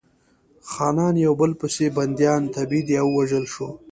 خانان یو په بل پسې بندیان، تبعید یا ووژل شول.